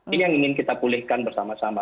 ini yang ingin kita pulihkan bersama sama